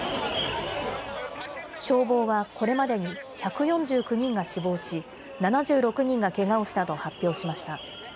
消防はこれまでに、１４９人が死亡し、７６人がけがをしたと発表しました。